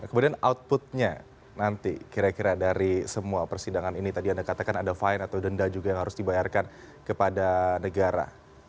kemudian outputnya nanti kira kira dari semua persidangan ini tadi anda katakan ada fine atau denda juga yang harus dibayarkan kepada negara